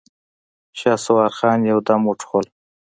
شهسوار خان يودم وټوخل.